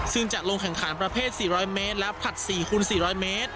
ซึ่งจะลงแข่งขันประเภท๔๐๐เมตรและผลัด๔คูณ๔๐๐เมตร